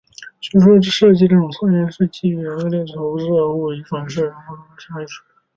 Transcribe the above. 据说设计这项测验是为了藉着对刺激物的投射以反映出人格中的下意识部分。